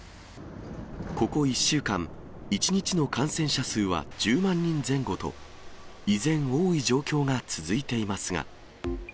ここ１週間、１日の感染者数は１０万人前後と、依然、多い状況が続いていますが。